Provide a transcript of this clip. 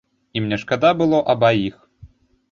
І мне шкада было абаіх.